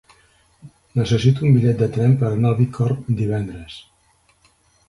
Necessito un bitllet de tren per anar a Bicorb divendres.